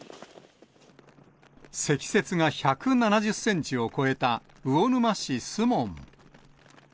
積雪が１７０センチを超えた魚沼市守門。